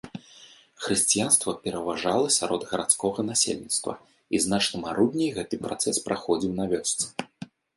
Хрысціянства пераважала сярод гарадскога насельніцтва, і значна марудней гэты працэс праходзіў на вёсцы.